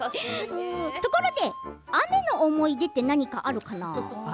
ところで雨の思い出って何かあるかな？